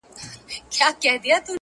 اوس گيله وكړي له غلو كه له قسمته -